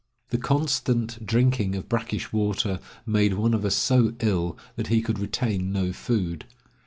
The constant drinking of brackish water made one of us so ill that he could retain no food.